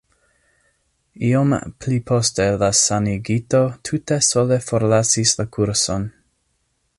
Iom pli poste la sanigito tute sole forlasis la kurson.